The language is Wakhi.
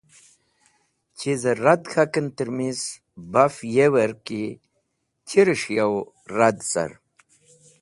Chizẽ rad k̃hakẽn tẽrmis baf yewẽr ki chires̃h yo rad car.